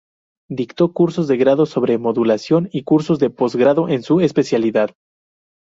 Dictó cursos de grado sobre Modulación y cursos de post grado en su especialidad.